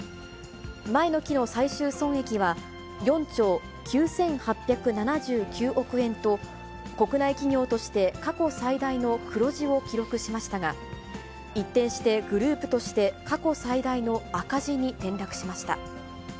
前の期の最終損益は、４兆９８７９億円と、国内企業として過去最大の黒字を記録しましたが、一転して、グループとして過去最大の赤字に転落しました。